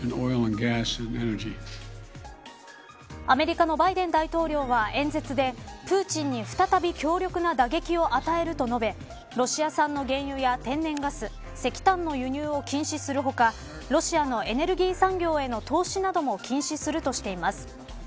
アメリカのバイデン大統領は演説でプーチンに再び強力な打撃を与えると述べロシア産の原油や天然ガス石炭の輸入を禁止する他ロシアのエネルギー産業への投資なども禁止するとしています。